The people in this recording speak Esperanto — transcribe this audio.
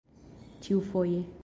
ĉiufoje